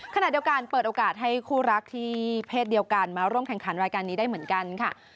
ขณะเดียวกันเปิดโอกาสให้คู่รักที่เพศเดียวกันมาร่วมแข่งขันรายการนี้ได้เหมือนกันค่ะ